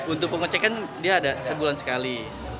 untuk pengecekan dia ada sebulan sekali